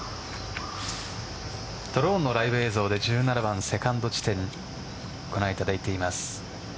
ドローンのライブ映像で１７番セカンド地点をご覧いただいています。